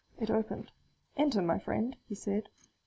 It opened. "Enter, my friend," he said.